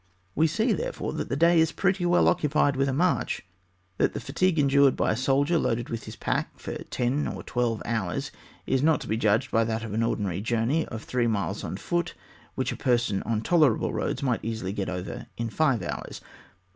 We see, therefore, that the day is pretty well occupied with such a march ; that the fatigue endured by a soldier loaded with his pack for ten or twelve hours is not to be judged of by that of an ordinary journey of three miles on foot which a person, on tolerable roads, might easily get over in five hours.